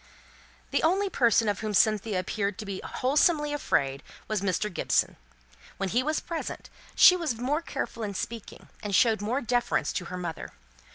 The only person of whom Cynthia appeared to be wholesomely afraid was Mr. Gibson. When he was present she was more careful in speaking, and showed more deference to her mother.